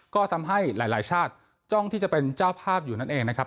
ก็ทำให้หลายชาติจ้องที่จะเป็นเจ้าภาพอยู่นั่นเองนะครับ